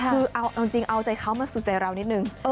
คือเอาจริงเอาใจเขามาสู่ใจเรานิดนึง